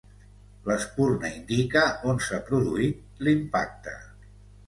L'espurna indica on s'ha produït l'impacte.